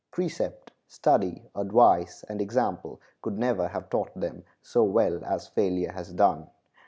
Precept, study, advice, and example could never have taught them so well as failure has done.